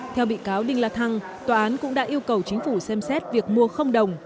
theo bị cáo đinh la thăng tòa án cũng đã yêu cầu chính phủ xem xét việc mua đồng